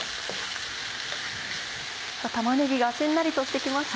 玉ねぎがしんなりとして来ました。